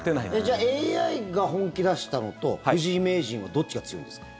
じゃあＡＩが本気出したのと藤井名人はどっちが強いんですか？